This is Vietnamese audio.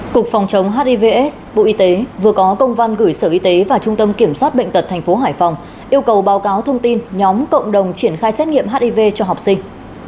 cục phòng chống hivs bộ y tế vừa có công văn gửi sở y tế và trung tâm kiểm soát bệnh tật tp hải phòng yêu cầu báo cáo thông tin nhóm cộng đồng triển khai xét nghiệm hiv cho học sinh